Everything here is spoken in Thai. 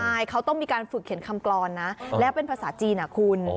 ใช่เขาต้องมีการฝึกเขียนคำกรอนนะแล้วเป็นภาษาจีนคุณ